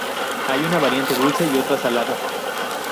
Hay una variante dulce y otra salada.